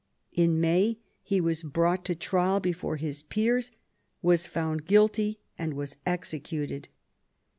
In May he was brought to trial before his peers, was found guilty, and was executed.